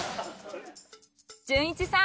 じゅんいちさん